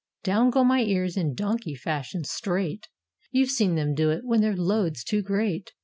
Down go my ears, in donkey fashion, straight; You've seen them do it, when their load's too great.